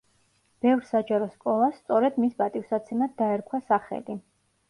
ბევრ საჯარო სკოლას სწორედ მის პატივსაცემად დაერქვა სახელი.